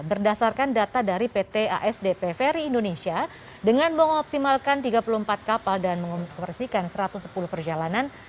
berdasarkan data dari pt asdp ferry indonesia dengan mengoptimalkan tiga puluh empat kapal dan mengoperasikan satu ratus sepuluh perjalanan